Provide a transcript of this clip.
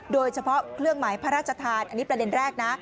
โดยเฉพาะเครื่องหมายพระราชทานอันนี้ประเด็นแรกนะ